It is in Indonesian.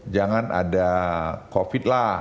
jangan ada covid lah